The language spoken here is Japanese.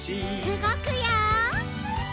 うごくよ！